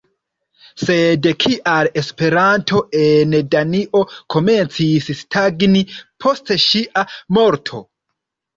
Sed kial Esperanto en Danio komencis stagni post ŝia morto?